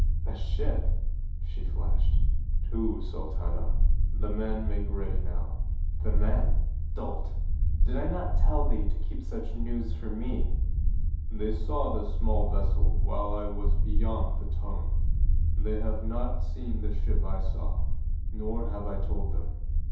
"A ship?" she flashed. "Two, Sultana. The men make ready now." "The men? Dolt! Did I not tell thee to keep such news for me?" "They saw the small vessel while I was beyond the Tongue. They have not seen the ship I saw, nor have I told them.